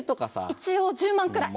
一応１０万くらい。